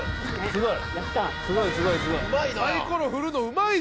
すごい。